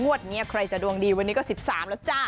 วันนี้ใครจะดวงดีวันนี้ก็๑๓แล้วจ้า